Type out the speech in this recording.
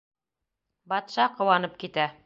Батша ҡыуанып китә: